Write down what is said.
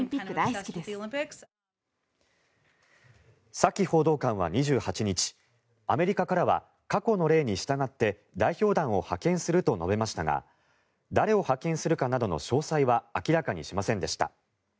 サキ報道官は２８日アメリカからは過去の例に従って代表団を派遣すると述べましたが誰を派遣するかなどの詳細は明らかにしませんでした。